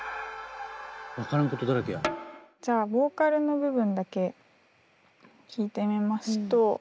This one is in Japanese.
じゃあボーカルの部分だけ聴いてみますと。